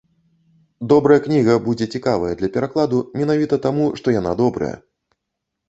Добрая кніга будзе цікавая для перакладу менавіта таму, што яна добрая.